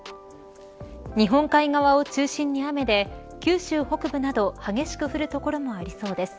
日本海側を中心に雨で九州北部など激しく降る所もありそうです。